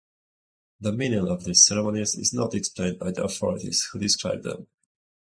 The meaning of these ceremonies is not explained by the authorities who describe them.